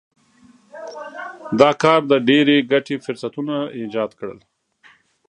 دا کار د ډېرې ګټې فرصتونه ایجاد کړل.